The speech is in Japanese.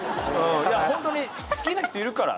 いやほんとに好きな人いるから。